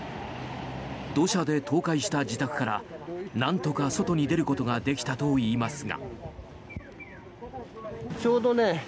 土砂で倒壊した自宅からなんとか外に出ることができたといいますが。